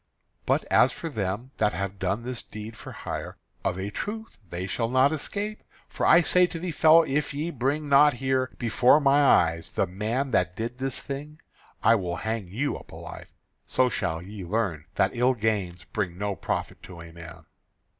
But as for them that have done this deed for hire, of a truth they shall not escape, for I say to thee, fellow, if ye bring not here before my eyes the man that did this thing, I will hang you up alive. So shall ye learn that ill gains bring no profit to a man."